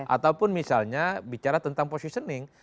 ataupun misalnya bicara tentang positioning